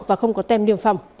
và không có tem niêm phòng